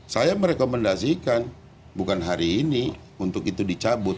saya merekomendasikan bukan hari ini untuk itu dicabut